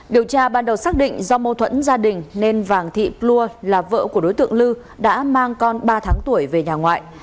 điều tra ban đầu xác định do mâu thuẫn gia đình nên vàng thị plua là vợ của đối tượng lư đã mang con ba tháng tuổi về nhà ngoại